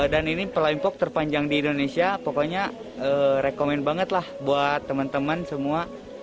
dan ini flying fox terpanjang di indonesia pokoknya rekomen banget lah buat temen temen semua